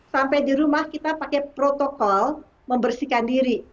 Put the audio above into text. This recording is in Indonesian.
sampai di rumah kita pakai protokol membersihkan diri